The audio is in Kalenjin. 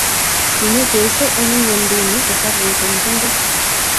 kinyo cheso eng ngwanduni kosarwech eng tengek